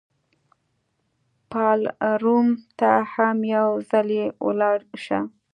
پالرمو ته هم یو ځلي ولاړ شه.